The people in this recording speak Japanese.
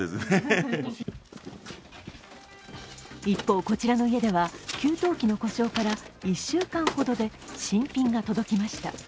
一方、こちらの家では給湯器の故障から１週間ほどで新品が届きました。